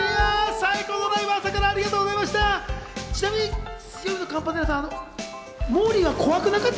最高のライブ、朝からありがとうございました！